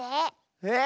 えっ⁉